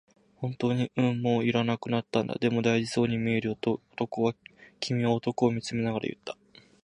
「本当に？」、「うん、もう要らなくなったんだ」、「でも、大事そうに見えるよ」と君は男を見つめながら言った。